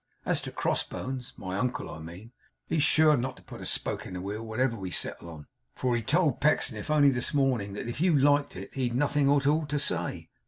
As to crossbones (my uncle, I mean), he's sure not to put a spoke in the wheel, whatever we settle on, for he told Pecksniff only this morning, that if YOU liked it he'd nothing at all to say.